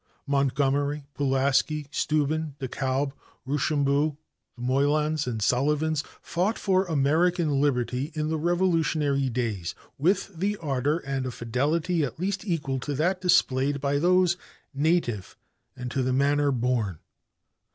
Montgomery, Pulaski, Steuben, De Kalb, Rochambeau, the Moylans and Sullivans, fought for American liberty in the Revolutionary days with an ardor and a fidelity at least equal to that displayed by those "native and to the manner born."